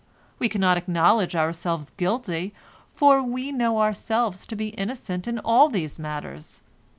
We cannot acknowledge ourselves guilty, for we know ourselves to be innocent in all these matters.